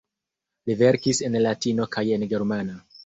Li verkis en latino kaj en germana.